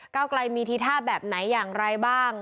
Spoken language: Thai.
เก้าไกลมีทีท่าแบบไหนอย่างไรบ้าง